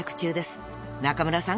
［中村さん